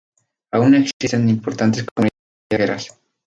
Aún existen importantes comunidades extranjeras.